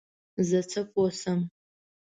زه څه پوه شم ؟